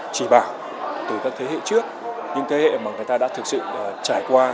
chỉ bảo từ các thế hệ trước những thế hệ mà người ta đã thực sự trải qua